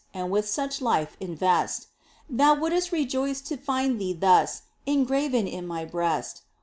And with such life invest, Thou wouldst rejoice to find thee thus Engraven in My breast.